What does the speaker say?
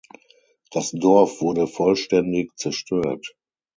Das Dorf wurde vollständig zerstört.